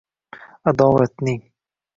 adovatning